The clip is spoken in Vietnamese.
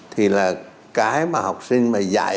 thì là cái mà học sinh mà dạy